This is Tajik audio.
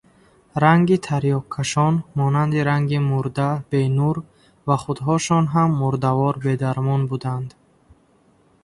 Ранги тарёккашон монанди ранги мурда бенур ва худҳошон ҳам мурдавор бедармон буданд.